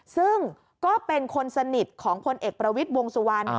ซึ่งก็เป็นคนสนิทของพลเอกประวิทย์วงสุวรรณ